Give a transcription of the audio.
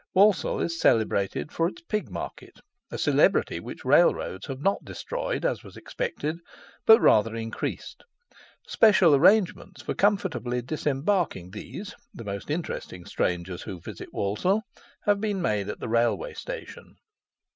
Walsall is celebrated for its pig market, a celebrity which railroads have not destroyed, as was expected, but rather increased. Special arrangements for comfortably disembarking these, the most interesting strangers who visit Walsall, have been made at the railway station.